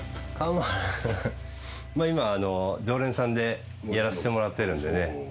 今常連さんでやらせてもらってるんで。